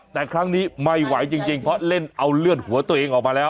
แต่ครั้งนี้ไม่ไหวจริงเพราะเล่นเอาเลือดหัวตัวเองออกมาแล้ว